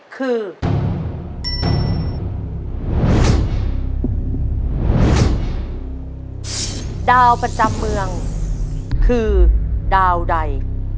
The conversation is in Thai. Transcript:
คือดาวใด